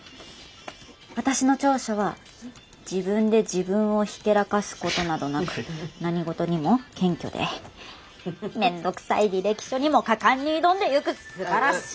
私の長所は自分で自分をひけらかすことなどなく何事にも謙虚でめんどくさい履歴書にも果敢に挑んでゆくすばらしい。